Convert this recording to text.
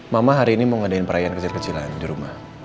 mama hari ini mau ngadain perayaan kecil kecilan di rumah